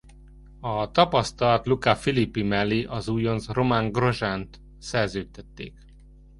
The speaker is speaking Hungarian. A tapasztalt Luca Filippi mellé az újonc Romain Grosjean-t szerződtették.